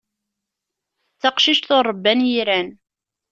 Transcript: D taqcict ur ṛebban yiran.